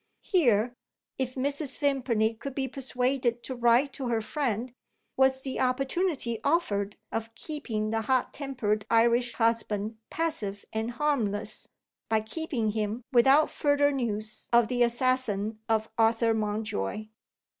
Here (if Mrs. Vimpany could be persuaded to write to her friend) was the opportunity offered of keeping the hot tempered Irish husband passive and harmless, by keeping him without further news of the assassin of Arthur Mountjoy.